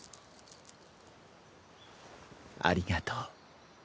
ありがとう。